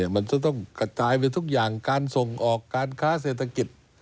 มันจะต้องกระจายไปทุกอย่างการส่งออกการค้าเศรษฐกิจ